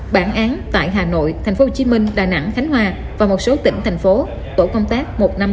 bản án tại hà nội tp hcm đà nẵng khánh hòa và một số tỉnh thành phố tổ công tác một trăm năm mươi ba